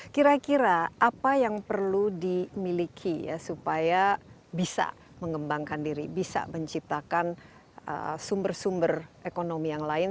kira kira apa yang perlu dimiliki ya supaya bisa mengembangkan diri bisa menciptakan sumber sumber ekonomi yang lain